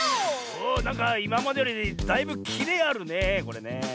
おなんかいままでよりだいぶキレあるねこれねえ。